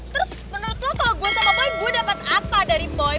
terus menurut lo kalo gue sama boy gue dapat apa dari boy